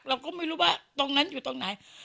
เราก็ไม่รู้ว่าตรงนั้นอยู่ตรงไหน